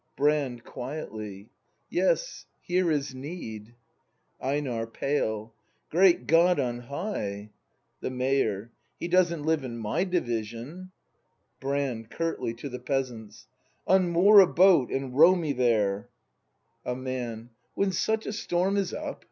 Brand. [Quietly.] Yes, here is need. EiNAB. [Pale.] Great God on high! *o' The Mayor. He doesn't live in my Division. Brand. [Curtly, to the Peasants.] Unmoor a boat and row me there! 64 BRAND [act n A Man. When such a storm is up